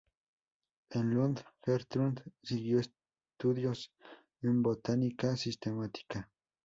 En Lund, Gertrud siguió estudios en botánica sistemática.